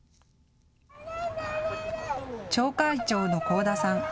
町会長の國府田さん。